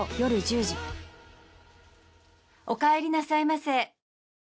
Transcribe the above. おかえりなさいませ